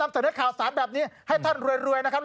เสนอข่าวสารแบบนี้ให้ท่านรวยนะครับ